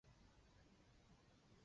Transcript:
该机也可以空中加油。